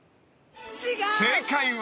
［正解は］